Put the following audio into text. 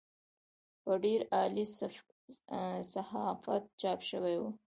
په ډېر عالي صحافت چاپ شوې وه.